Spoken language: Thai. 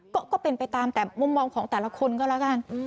ก็เป็นไปตามแต่มุมมองของแต่ละคนก็แล้วกัน